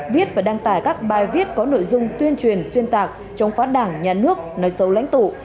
viết và đăng tải các bài viết có nội dung tuyên truyền xuyên tạc chống phá đảng nhà nước nói xấu lãnh tụ